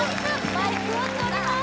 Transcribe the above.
マイクを取ります